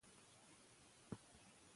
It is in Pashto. که نجونې سخاوت ولري نو بخل به نه وي.